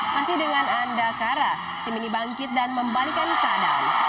masih dengan andakara tim ini bangkit dan membalikan keadaan